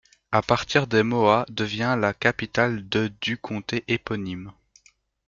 À partir des Moha devient la capitale de du comté éponyme.